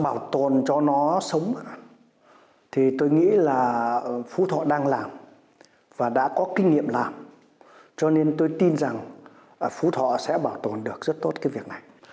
bảo tồn cho nó sống thì tôi nghĩ là phú thọ đang làm và đã có kinh nghiệm làm cho nên tôi tin rằng phú thọ sẽ bảo tồn được rất tốt cái việc này